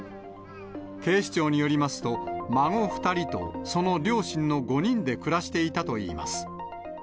警視庁によりますと、孫２人と、その両親の５人で暮らしていたといいます。